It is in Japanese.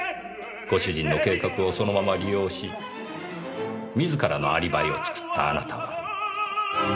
ご主人の計画をそのまま利用し自らのアリバイを作ったあなたは。